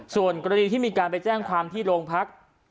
ส่วนกรณีที่มีการไปแจ้งความที่โรงพัก